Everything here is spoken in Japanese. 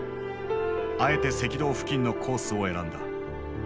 あえて赤道付近のコースを選んだ。